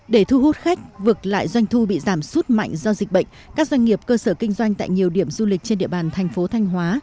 để thu hút khách vượt lại doanh thu bị giảm sút mạnh do dịch bệnh các doanh nghiệp cơ sở kinh doanh tại nhiều điểm du lịch trên địa bàn thành phố thanh hóa